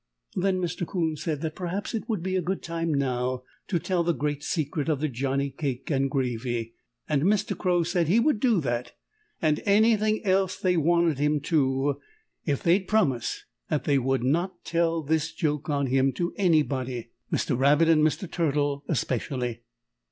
Then Mr. 'Coon said that perhaps it would be a good time now to tell the great secret of the Johnnie cake and gravy, and Mr. Crow said he would do that and anything else they wanted him to if they'd promise they wouldn't tell this joke on him to anybody Mr. Rabbit and Mr. Turtle especially.